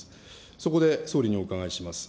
そこで総理にお伺いします。